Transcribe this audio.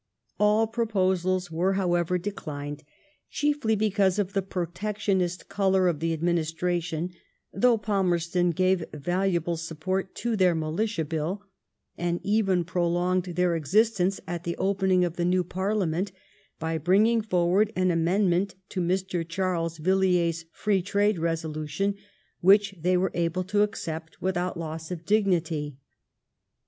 All proposals were, however, declined^ chiefly because of the Protectionist colour of the ad ministration, though Palmerston gave valuable support to their Militia Bill, and even prolonged their existence at the opening of the new Parliament by bringing forward an amendment to Mr. Charles Villiers' free trade reso* lution which they were able to accept without loss of dignity.